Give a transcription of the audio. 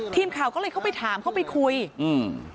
ทีมข่าวก็เลยเข้าไปถามเข้าไปคุยอืม